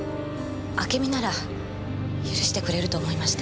あけみなら許してくれると思いました。